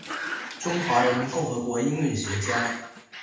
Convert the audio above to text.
中华人民共和国音韵学家。